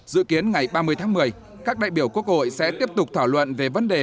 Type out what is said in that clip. dự kiến ngày ba mươi tháng một mươi các đại biểu quốc hội sẽ tiếp tục thảo luận về vấn đề